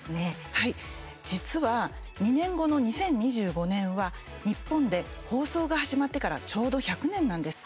はい、実は２年後の２０２５年は日本で放送が始まってからちょうど１００年なんです。